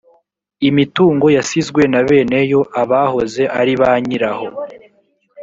imitungo yasizwe na bene yo abahoze aribanyiraho.